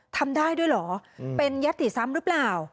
ทำได้ด้วยเหรอเป็นยติซ้ำหรือเปล่า